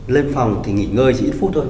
lên phòng thì nghỉ ngơi chỉ ít phút thôi